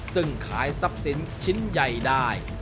ซึ่งขายทรัพย์สินชิ้นใหญ่ได้